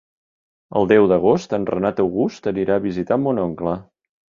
El deu d'agost en Renat August anirà a visitar mon oncle.